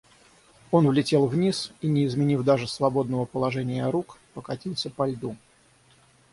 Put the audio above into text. Он влетел вниз и, не изменив даже свободного положения рук, покатился по льду.